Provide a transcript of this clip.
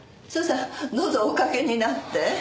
どうぞお掛けになって。